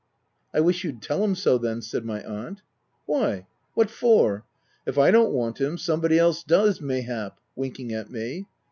* I wish you'd tell him so, then/' said my aunt. " Why, what for ? If I don't want him, some, body does mayhap (winking at me).